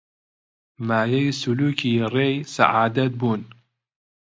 مایەی سولووکی ڕێی سەعادەت بوون